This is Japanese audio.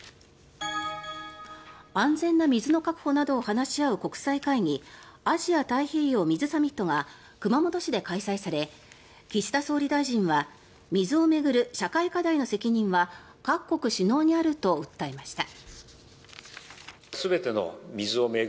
安全な水の確保などを話し合う国際会議アジア・太平洋水サミットが熊本市で開催され岸田総理大臣は水を巡る社会課題の責任は各国首脳にあると訴えました。